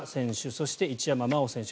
そして、一山麻緒選手。